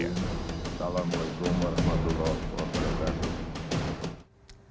assalamualaikum warahmatullahi wabarakatuh